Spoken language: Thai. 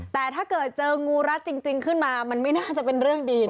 แต่ถ้าเกิดเจองูรัดจริงขึ้นมามันไม่น่าจะเป็นเรื่องดีนะ